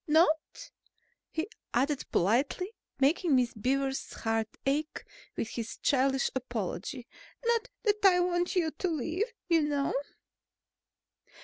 Not," he added politely, making Miss Beaver's heart ache with his childish apology, "not that I want you to leave, you know."